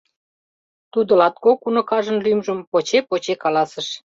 Тудо латкок уныкажын лӱмжым поче-поче каласыш.